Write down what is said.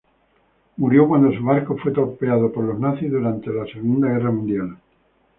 Murió cuando su barco fue torpedeado por los nazis durante la Segunda Guerra Mundial.